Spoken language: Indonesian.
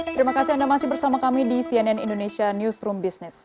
terima kasih anda masih bersama kami di cnn indonesia newsroom business